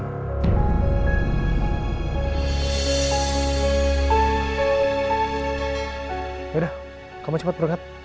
yaudah kamu cepet berangkat